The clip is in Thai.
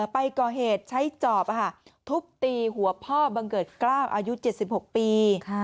ไปก่อเหตุใช้จอบทุบตีหัวพ่อบังเกิดกล้าวอายุ๗๖ปี